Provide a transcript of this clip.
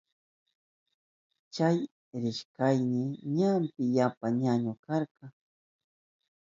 Chay rishkayni ñampi yapa ñañu karka.